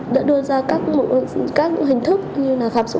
đã đưa ra các hình thức như là khám sức